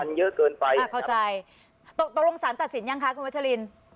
มันเยอะเกินไปอ่าเข้าใจตกตกลงสารตัดสินยังคะคุณวัชลิน